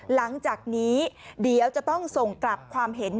หลังจากนี้เดี๋ยวจะต้องส่งกลับความเห็น